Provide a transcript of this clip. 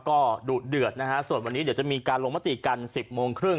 ก็ดุเดือดนะฮะส่วนวันนี้เดี๋ยวจะมีการลงมติกัน๑๐โมงครึ่ง